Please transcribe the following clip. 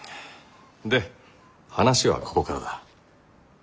で話はここからだ。